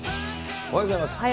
おはようございます。